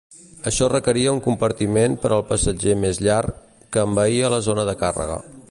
Això requeria un compartiment per al passatger més llar, que envaïa la zona de càrrega.